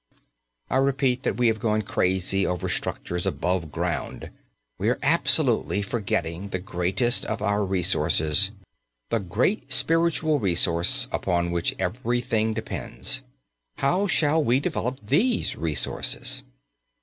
I repeat that we have gone crazy over structures above ground. We are absolutely forgetting the greatest of our resources, the great spiritual resource, upon which everything depends. How shall we develop these resources?